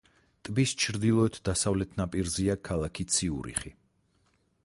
ტბის ჩრდილოეთ-დასავლეთ ნაპირზეა ქალაქი ციურიხი.